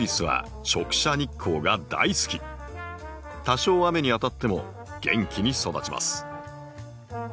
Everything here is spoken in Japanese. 多少雨に当たっても元気に育ちます。